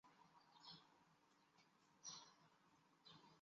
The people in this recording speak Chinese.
吴廷琰在枪林弹雨中差点被杀。